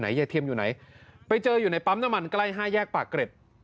ยายเทียมอยู่ไหนไปเจออยู่ในปั๊มน้ำมันใกล้๕แยกปากเกร็ด